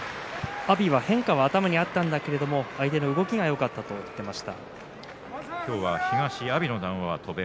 阿炎は変化は頭にあったんですが相手の動きがよかったと話していました。